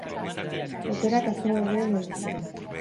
Aukerak azken laurdenean heldu ziren.